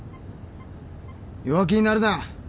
弱気になるな！